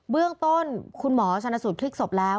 เบื้องต้นคุณหมอชนสูตรพลิกศพแล้ว